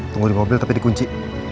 tunggu di mobil tapi di kunci